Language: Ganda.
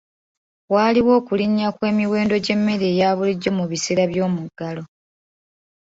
Waaliwo okulinnya kw'emiwendo gy'emmere eya bulijjo mu biseera by'omuggalo.